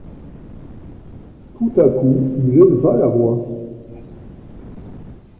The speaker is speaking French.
Tout à coup il éleva la voix.